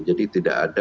jadi tidak ada